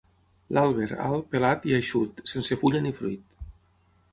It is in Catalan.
L'àlber, alt, pelat i eixut, sense fulla ni fruit.